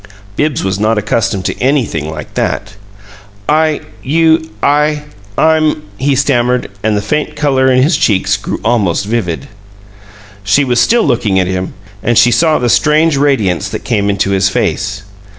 Bibbs was not accustomed to anything like that. "I you I I'm " he stammered, and the faint color in his cheeks grew almost vivid. She was still looking at him, and she saw the strange radiance that came into his face.